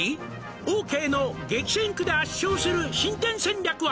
「オーケーの激戦区で圧勝する新店戦略は」